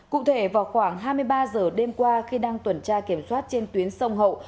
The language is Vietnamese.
cụ thể vào khoảng hai mươi ba h đêm qua khi đang tuần tra kiểm soát trên tuyến sông hậu